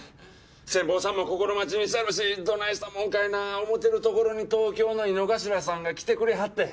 先方さんも心待ちにしてるしどないしたもんかいな思うてるところに東京の井之頭さんが来てくれはって。